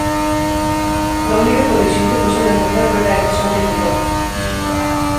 La única condición que puso la empresa fue la elección del piloto.